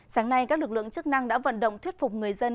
sáng nay các lực lượng chức năng đã vận động thuyết phục người dân